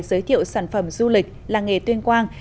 giới thiệu sản phẩm du lịch làng nghề tuyên quang